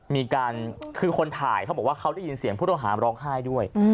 มีการคือคนถ่ายเขาบอกว่าเขาได้ยินเสียงผู้ต้องหาร้องไห้ด้วย